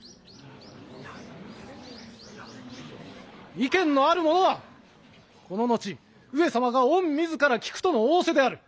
意見のあるものはこの後上様が御自ら聞くとの仰せである。